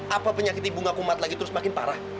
apa penyakit ibu ngakumat lagi terus makin parah